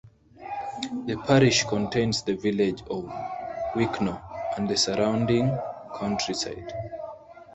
The parish contains the village of Wychnor and the surrounding countryside.